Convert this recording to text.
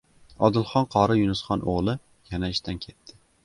Odilxon qori Yunusxon o‘g‘li yana ishdan ketdi